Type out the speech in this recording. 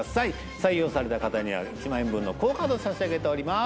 採用された方には１万円分のＱＵＯカードを差し上げております